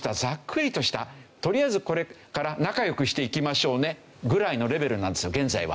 とりあえずこれから仲良くしていきましょうねぐらいのレベルなんですよ現在は。